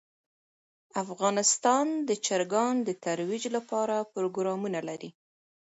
افغانستان د چرګان د ترویج لپاره پروګرامونه لري.